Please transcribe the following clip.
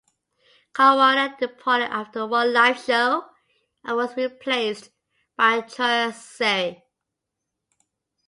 Carwana departed after one live show and was replaced by Troy Scerri.